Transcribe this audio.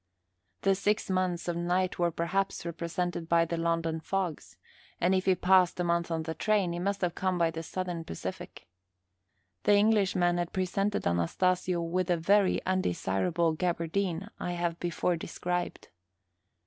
The six months of night were, perhaps, represented by the London fogs, and, if he passed a month on the train, he must have come by the Southern Pacific. The Englishman had presented Anastasio with the very undesirable gaberdine I have before described.